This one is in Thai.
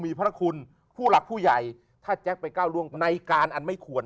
มีพระคุณผู้หลักผู้ใหญ่ถ้าแจ๊คไปก้าวร่วงในการอันไม่ควร